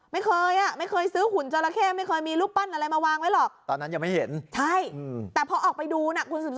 ไม่เคยไม่เคยซื้อขุนจราเข้วไม่เคยมีรูปปั้นมาวางไว้หรอก